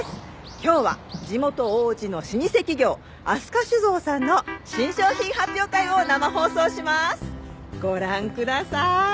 「今日は地元王子の老舗企業飛鳥酒造さんの新商品発表会を生放送します」「ご覧ください！」